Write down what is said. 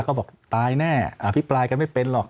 ก็บอกตายแน่อภิปรายกันไม่เป็นหรอก